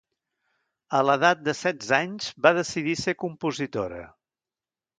A l'edat de setze anys va decidir ser compositora.